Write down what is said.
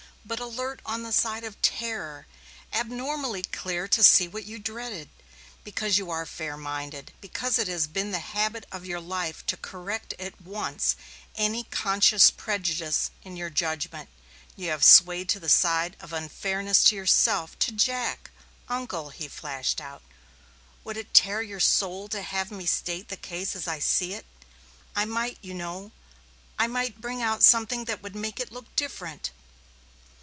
"But alert on the side of terror abnormally clear to see what you dreaded. Because you are fair minded, because it has been the habit of your life to correct at once any conscious prejudice in your judgment, you have swayed to the side of unfairness to yourself, to Jack. Uncle," he flashed out, "would it tear your soul to have me state the case as I see it? I might, you know I might bring out something that would make it look different."